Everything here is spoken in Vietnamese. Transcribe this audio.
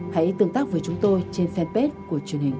hãy tương tác với chúng tôi trên fanpage của truyền hình công an nhân dân